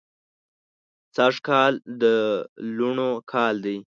سږ کال د لوڼو کال دی